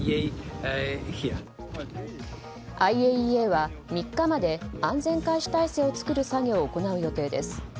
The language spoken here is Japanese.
ＩＡＥＡは３日まで安全監視体制を作る作業を行う予定です。